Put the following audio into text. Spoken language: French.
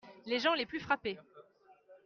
Les gens les plus frappés.